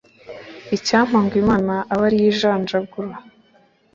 icyampa ngo imana ibe ari yo injanjagura